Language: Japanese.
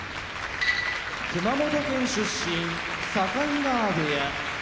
熊本県出身境川部屋